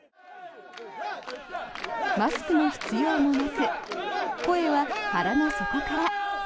マスクの必要もなく声は腹の底から。